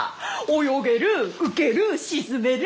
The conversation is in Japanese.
泳げる浮ける沈める。